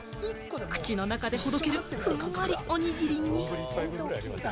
口の中でほどける、ふんわりおにぎりに。